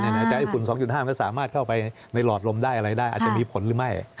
แต่ฝุ่น๒๕ก็สามารถเข้าไปในหลอดลมได้อะไรได้อาจจะมีผลหรือไม่